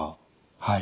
はい。